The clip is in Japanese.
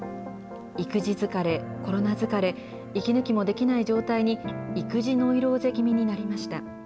育児疲れ、コロナ疲れ、息抜きもできない状態に、育児ノイローゼ気味になりました。